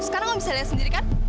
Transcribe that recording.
sekarang kamu bisa lihat sendiri kan